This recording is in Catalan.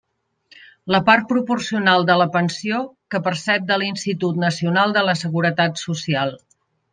La part proporcional de la pensió que percep de l'Institut Nacional de la Seguretat Social.